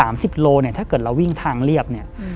สิบโลเนี่ยถ้าเกิดเราวิ่งทางเรียบเนี่ย